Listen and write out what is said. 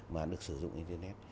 mà được sử dụng internet